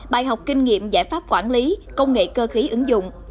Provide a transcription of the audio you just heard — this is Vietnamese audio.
bài học kinh nghiệm giải pháp quản lý công nghệ cơ khí ứng dụng